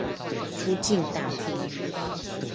出境大廳